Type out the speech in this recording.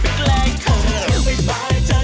พี่ตนนั่นเหลือมันอภาษฐ์แท้มาก